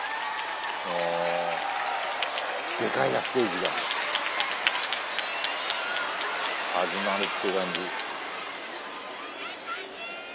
ああデカいなステージが始まるっていう感じ